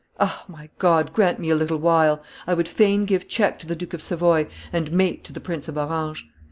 Ah! my God, grant me a little while; I would fain give check to the Duke of Savoy and mate to the Prince of Orange!